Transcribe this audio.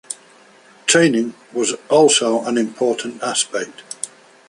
Training was also an important aspect.